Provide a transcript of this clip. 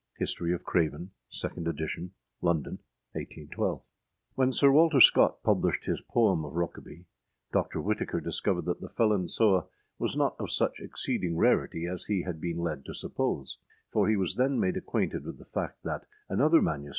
â_History of Craven_, second edition, London, 1812. When Sir Walter Scott published his poem of Rokeby, Doctor Whitaker discovered that The Felon Sewe was not of such âexceeding rarityâ as he had been led to suppose; for he was then made acquainted with the fact that another MS.